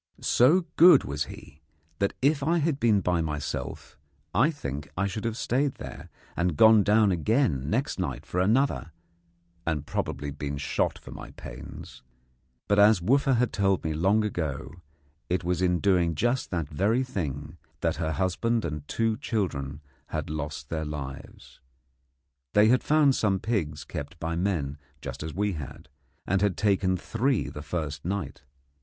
So good was he that, if I had been by myself, I think I should have stayed there, and gone down again next night for another, and probably been shot for my pains. But, as Wooffa had told me long ago, it was in doing just that very thing that her husband and two children had lost their lives. They had found some pigs kept by men just as we had, and had taken three the first night.